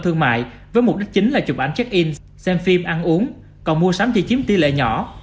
thương mại với mục đích chính là chụp ảnh check in xem phim ăn uống còn mua sắm chỉ chiếm tỷ lệ nhỏ